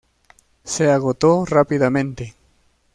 Se agotó rápidamente.